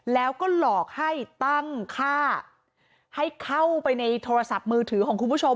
แล้วก็หลอกให้ตั้งค่าให้เข้าไปในโทรศัพท์มือถือของคุณผู้ชม